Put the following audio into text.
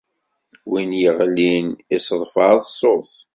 Win yeɣlin iseḍfer ṣṣut.